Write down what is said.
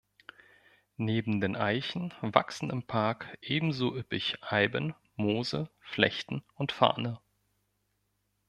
Neben den Eichen wachsen im Park ebenso üppig Eiben, Moose, Flechten und Farne.